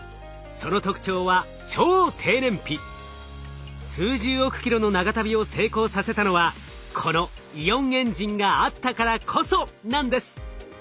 その特徴は数十億キロの長旅を成功させたのはこのイオンエンジンがあったからこそなんです。